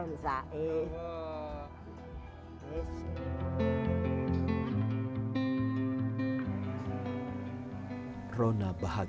gimana mbak putri